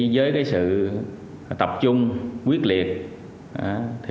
với sự tập trung quyết liệt